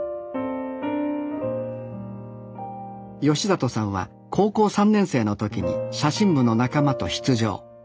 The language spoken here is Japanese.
里さんは高校３年生の時に写真部の仲間と出場。